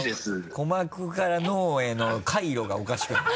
鼓膜から脳への回路がおかしくなってる。